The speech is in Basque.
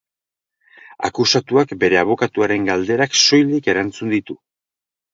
Akusatuak bere abokatuaren galderak soilik erantzun ditu.